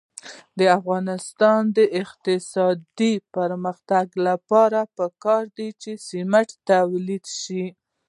د افغانستان د اقتصادي پرمختګ لپاره پکار ده چې سمنټ تولید شي.